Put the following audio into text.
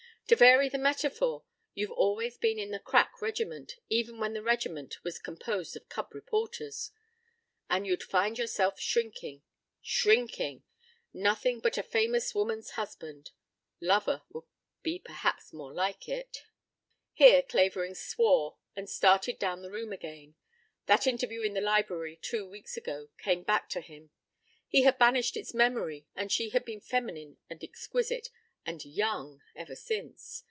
To vary the metaphor, you've always been in the crack regiment, even when the regiment was composed of cub reporters. ... And you'd find yourself shrinking shrinking nothing but a famous woman's husband lover, would be perhaps more like it " Here Clavering swore and started down the room again. That interview in the library two weeks ago tonight came back to him. He had banished its memory and she had been feminine and exquisite, and young, ever since.